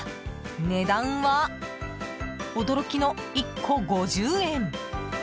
値段は驚きの１個５０円！